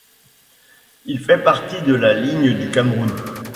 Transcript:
Il fait partie de la ligne du Cameroun.